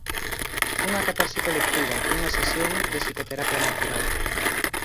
Unha catarse colectiva, unha sesión de psicoterapia natural.